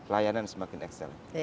layanan semakin eksel